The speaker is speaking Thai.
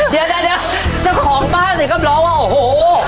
เดี๋ยวเจ้าของบ้านสิก็ร้องว่าโอ้โห